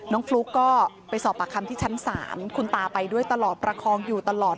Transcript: ฟลุ๊กก็ไปสอบปากคำที่ชั้น๓คุณตาไปด้วยตลอดประคองอยู่ตลอด